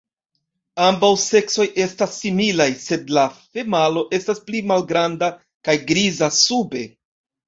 Ambaŭ seksoj estas similaj, sed la femalo estas pli malgranda kaj griza sube.